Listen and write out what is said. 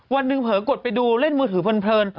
วันหนึ่งเผลอกดไปดูเล่นมือถือเพลิน